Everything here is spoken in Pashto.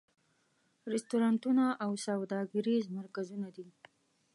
رستورانتونه او سوداګریز مرکزونه دي.